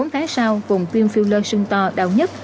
bốn tháng sau vùng tiêm filler sưng to đau nhất